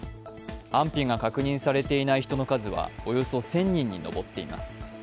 安否が確認されていない人の数はおよそ１０００人に上っています。